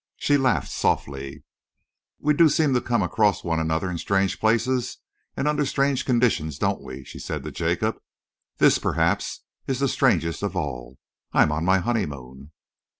She laughed softly. "We do seem to come across one another in strange places and under strange conditions, don't we?" she said to Jacob. "This, perhaps, is the strangest of all. I am on my honeymoon."